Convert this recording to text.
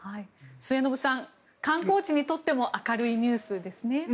末延さん、観光にとっても明るいニュースですね。